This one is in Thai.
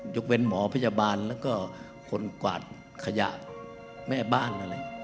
ยกเว้นหมอพยาบาลแล้วก็คนกวาดขยะแม่บ้านอะไร